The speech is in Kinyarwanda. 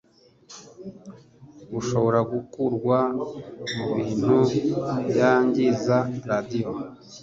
bushobora gukurwa mubintu byangiza radio